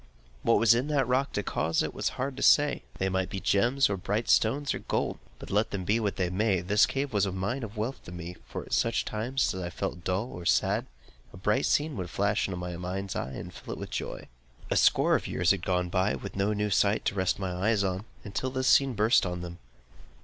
What was in the rock to cause this it was hard to say; they might be gems, or bright stones, or gold. But let them be what they may, this cave was a mine of wealth to me; for at such time as I felt dull or sad, the bright scene would flash on my mind's eye, and fill it with joy. A score of years had gone by, with no new sight to rest my eyes on, till this scene burst on them.